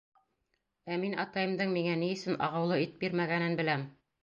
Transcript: — Ә мин атайымдың миңә ни өсөн ағыулы ит бирмәгәнен беләм.